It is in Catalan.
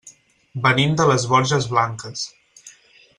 Venim de les Borges Blanques.